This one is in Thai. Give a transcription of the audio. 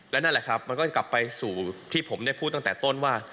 และนั่นแหละครับมันก็กลับไปสู่ที่ผมได้พูดตั้งแต่ต้นว่า